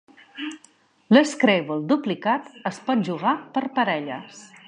L'Scrabble duplicat es pot jugar per parelles.